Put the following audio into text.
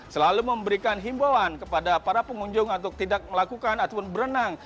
selalu memberikan himbauan kepada para pengunjung untuk tidak melakukan ataupun berenang